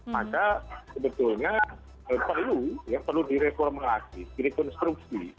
maka sebetulnya perlu direkonstruksi